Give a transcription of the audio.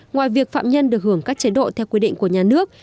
ngoài việc phạm nhân được hưởng các chế độ theo quy định của nhà nước